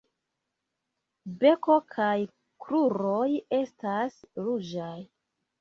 Beko kaj kruroj estas ruĝaj.